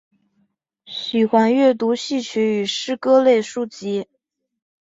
喜欢阅读戏曲与诗歌类书籍。